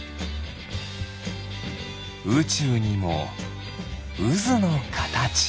うちゅうにもうずのかたち。